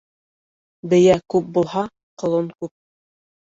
Бейә күп булһа, ҡолон күп.